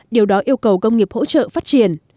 điều đó yêu cầu công nghiệp hỗ trợ phát triển